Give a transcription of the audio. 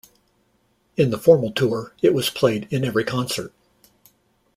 In the formal tour, it was played in every concert.